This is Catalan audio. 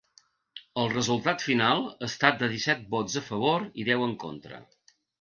El resultat final ha estat de disset vots a favor i deu en contra.